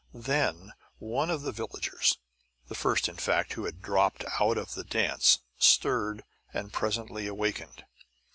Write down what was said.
Then one of the villagers the first, in fact, who had dropped out of the dance stirred and presently awakened.